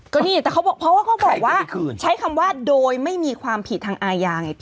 ก็นี่แต่เขาบอกเพราะว่าเขาบอกว่าใช้คำว่าโดยไม่มีความผิดทางอาญาไง